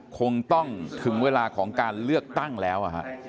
คงต้องถึงเวลาของการเลือกตั้งแล้ว